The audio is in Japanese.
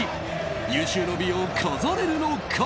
有終の美を飾れるのか。